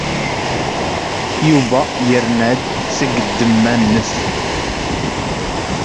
Yuba yerna-d seg ddemma-nnes.